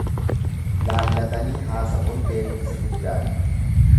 Laallatanii haasa'uun beekumsa guddaadha